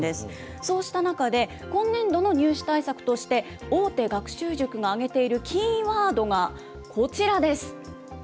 そうした中で、今年度の入試対策として、大手学習塾が挙げているキーワードがこちらです。